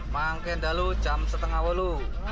mangkendalu jam setengah wulu